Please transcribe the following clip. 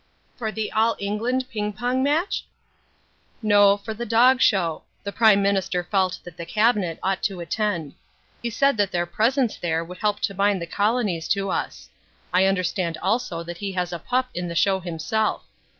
"For the All England Ping Pong match?" "No, for the Dog Show. The Prime Minister felt that the Cabinet ought to attend. He said that their presence there would help to bind the colonies to us. I understand also that he has a pup in the show himself.